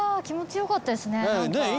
気持ちよかったですね。